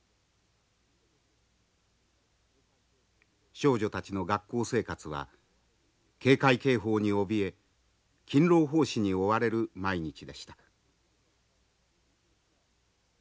少女たちの学校生活は警戒警報におびえ勤労奉仕に追われる毎日でした。